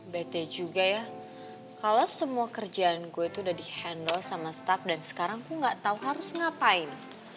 beda juga ya kalau semua kerjaan gue itu udah di handle sama staff dan sekarang aku nggak tahu harus ngapain